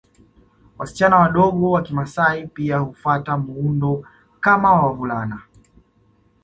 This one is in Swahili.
Wasichana wadogo wa kimaasai pia hufata muundo kama wa wavulana